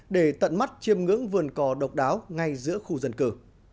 để tận mắt chiêm ngưỡng vườn cò độc đáo ngay giữa khu dân cư